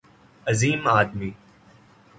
عظیم آدمی